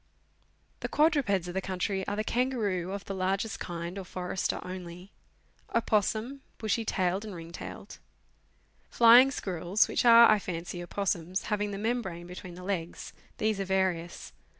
The quadrupeds of the country are the kangaroo of the largest kind or forester only; opossum, bushy tailed and ring tailed ; flying squirrels, which are, I fancy, opossums, having the membrane between the legs these are various.